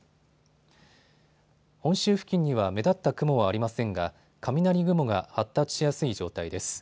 本州付近には目立った雲はありませんが雷雲が発達しやすい状態です。